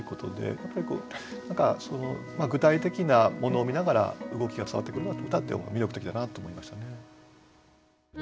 具体的なものを見ながら動きが伝わってくる歌って魅力的だなと思いましたね。